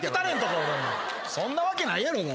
そんなわけないやろが。